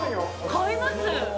買います！